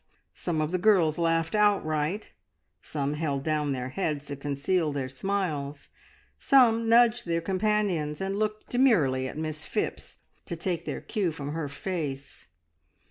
Some of the girls laughed outright, some held down their heads to conceal their smiles, some nudged their companions and looked demurely at Miss Phipps to take their cue from her face.